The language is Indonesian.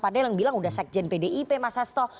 padahal yang bilang sudah sekjen pdip mas sasto